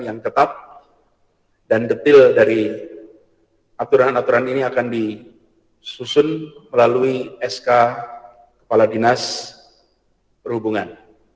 yang ketat dan detail dari aturan aturan ini akan disusun melalui sk kepala dinas perhubungan